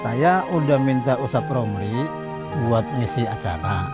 saya udah minta ustadz romli buat ngisi acara